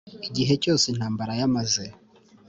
Igihe cyose intambara yamaze